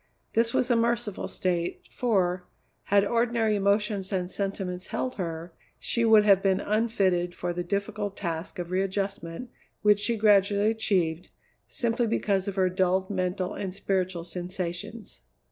This was a merciful state, for, had ordinary emotions and sentiments held her, she would have been unfitted for the difficult task of readjustment which she gradually achieved, simply because of her dulled mental and spiritual sensations.